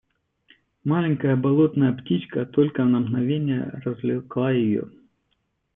Маленькая болотная птичка только на мгновенье развлекла ее.